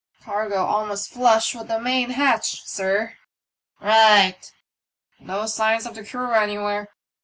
Cargo almost flush with the main hatch, sir." " Eight/' "No signs of the crew anywhere.